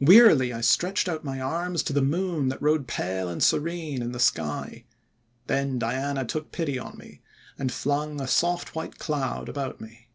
Wearily I stretched out my arms to the Moon that rode pale and serene in the sky. Then Diana took pity on me, and flung a soft white cloud about me.